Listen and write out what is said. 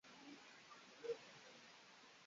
Ntekereza ko Tom yakunze firime